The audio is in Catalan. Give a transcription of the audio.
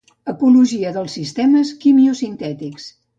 Ecologia dels sistemes quimiosintètics.